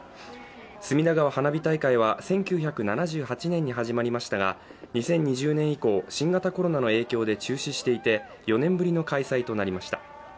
隅田川花火大会は１９７８年に始まりましたが、２０２０年以降新型コロナの影響で中止していて、４年ぶりの開催となりました。